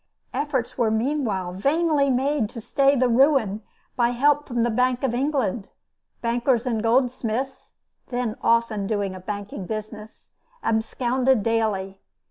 Efforts were meanwhile vainly made to stay the ruin by help from the Bank of England. Bankers and goldsmiths (then often doing a banking business) absconded daily.